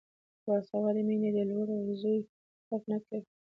باسواده میندې د لور او زوی فرق نه کوي.